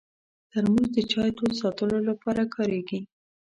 ترموز د چای تود ساتلو لپاره کارېږي.